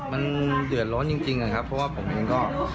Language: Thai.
มันเดือดร้อนจริงนะครับเพราะว่าผมเองก็